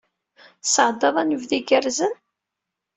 Tesɛeddaḍ anebdu igerrzen?